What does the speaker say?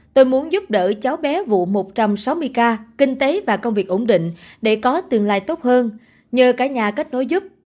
tôi muốn giúp đỡ cháu bé vụ một trăm sáu mươi k kinh tế và công việc ổn định để có tương lai tốt hơn nhờ cả nhà kết nối giúp